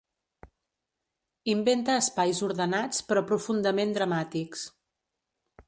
Inventa espais ordenats però profundament dramàtics.